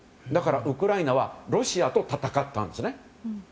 だから、ウクライナはロシアと戦ったんですね。